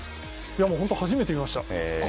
本当、初めて見ました。